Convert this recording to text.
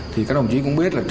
thì các đồng chí cũng biết